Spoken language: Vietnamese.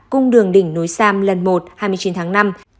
cung đường đỉnh núi sam lần một hai mươi chín tháng năm